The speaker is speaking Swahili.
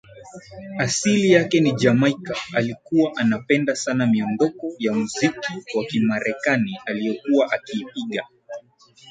Asili yake ni Jamaika Alikuwa anapenda sana miondoko ya muziki wa kimarekani aliyokuwa akiipiga